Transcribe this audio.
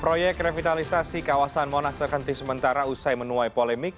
proyek revitalisasi kawasan monas terhenti sementara usai menuai polemik